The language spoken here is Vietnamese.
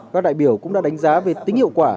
các đại biểu cũng đã đánh giá về tính hiệu quả